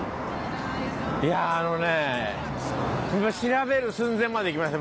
いやあのね調べる寸前までいきました